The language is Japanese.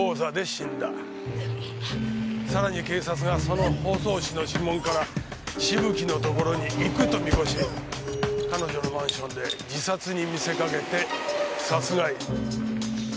さらに警察がその包装紙の指紋からしぶきのところに行くと見越し彼女のマンションで自殺に見せかけて殺害。